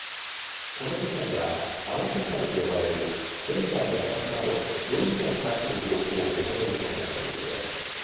この手配は青手配と呼ばれる現在の居場所など容疑者に関する情報を求めるものだということです。